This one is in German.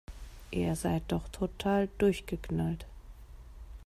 Ihr seid doch total durchgeknallt!